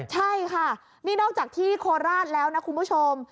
ใช่ค่ะนี่นอกจากที่โคราชแล้วนะคุณผู้ชม